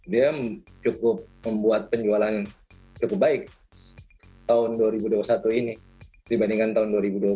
dia cukup membuat penjualan cukup baik tahun dua ribu dua puluh satu ini dibandingkan tahun dua ribu dua puluh